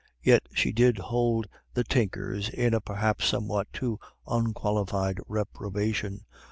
Yet she did hold the Tinkers in a perhaps somewhat too unqualified reprobation.